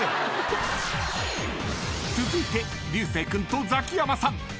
［続いて流星君とザキヤマさん］